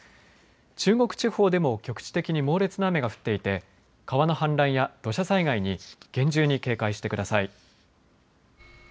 中国地方でも局地的に猛烈な雨が降っていて川の氾濫や土砂災害に厳重に警戒してください。